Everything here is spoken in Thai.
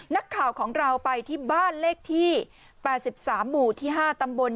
นักข่าวของเราไปที่บ้านเลขที่๘๓หมู่ที่๕ตำบล